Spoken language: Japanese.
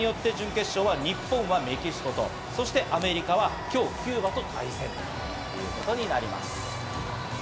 これによって準決勝は日本はメキシコと、アメリカは今日、キューバと対戦ということになります。